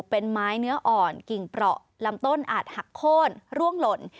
เป็นไม้เนื้ออ่อนกิ่งเปราะลำต้นอาจหักโค้นร่วงหล่น